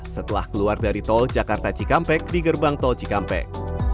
setelah keluar dari tol jakarta cikampek di gerbang tol cikampek